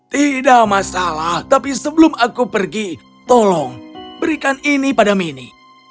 tidak masalah tapi sebelum aku pergi tolong berikan ini pada mini